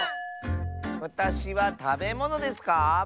わたしはたべものですか？